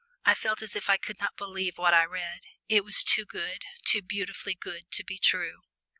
I felt as if I could not believe what I read. It was too good, too beautifully good to be true.